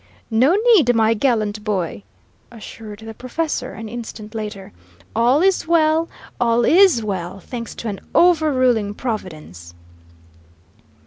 "No need, my gallant boy!" assured the professor, an instant later. "All is well, all IS well, thanks to an over ruling Providence!"